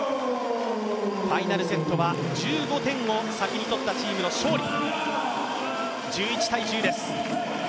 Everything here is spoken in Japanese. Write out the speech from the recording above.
ファイナルセットは１５点を先に取ったチームの勝利。